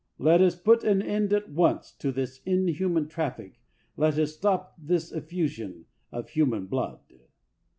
Let us put an end at once to this inhuman traffic — let us stop this effusion of hu man blood.